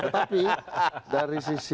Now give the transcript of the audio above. tapi dari sisi